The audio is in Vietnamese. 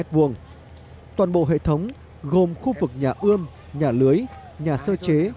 toàn bộ hệ thống gồm khu vực nhà ươm nhà lưới nhà sơ chế